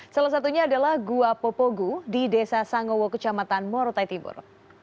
salah satunya adalah gua popogu di desa sangowo kecamatan morotai timur